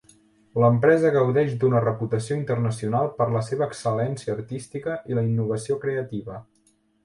L'empresa gaudeix d'una reputació internacional per la seva excel·lència artística i la innovació creativa.